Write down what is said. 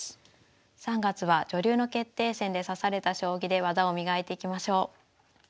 ３月は女流の決定戦で指された将棋で技を磨いていきましょう。